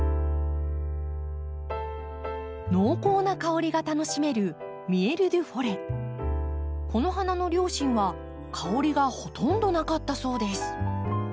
濃厚な香りが楽しめるこの花の両親は香りがほとんどなかったそうです。